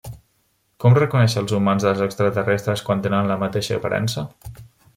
Com reconèixer els humans dels extraterrestres quan tenen la mateixa aparença?